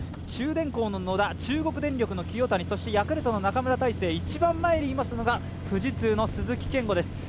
中電工の野田、中国電力の清谷、ヤクルトの中村大成、一番前にいますのが富士通の鈴木健吾です。